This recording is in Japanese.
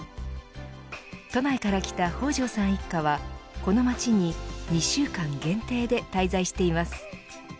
都内から来た北條さん一家はこの町に２週間限定で滞在しています。